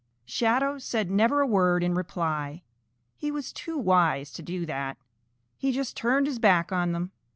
Shadow said never a word in reply. He was too wise to do that. He just turned his back on them.